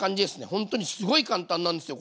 ほんとにすごい簡単なんですよ